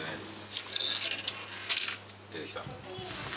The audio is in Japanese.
出てきた。